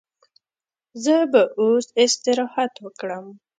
زه به اوس استراحت وکړم.